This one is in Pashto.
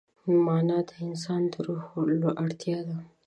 معنی د انسان د روح اړتیا ده.